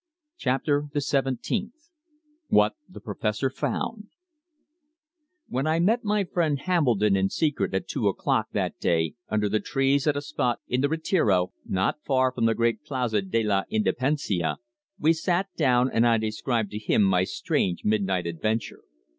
CHAPTER THE SEVENTEENTH WHAT THE PROFESSOR FOUND When I met my friend Hambledon in secret at two o'clock that day under the trees at a spot in the Retiro, not far from the great Plaza de la Independencia, we sat down and I described to him my strange midnight adventure.